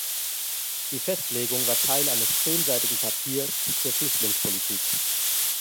Die Festlegung war Teil eines zehnseitigen Papiers zur Flüchtlingspolitik.